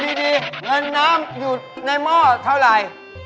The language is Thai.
มีความรู้สึกว่า